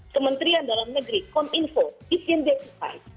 kementerian dalam negeri kominfo bnb kepan